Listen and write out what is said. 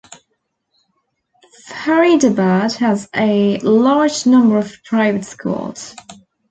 Faridabad has a large number of private schools.